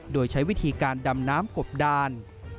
โดยใช้วิธีการดำน้ำกบดาน